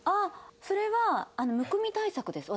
それはむくみ対策です。